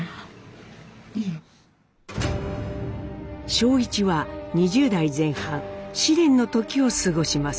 正一は２０代前半試練の時を過ごします。